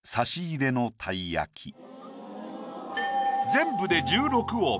全部で１６音。